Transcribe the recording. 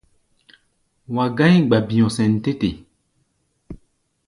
Wa gá̧í̧ gba-bi̧ɔ̧ sɛn tɛ́ te.